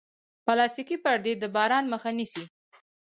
پلاستيکي پردې د باران مخه نیسي.